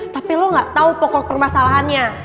tapi lo gak tahu pokok permasalahannya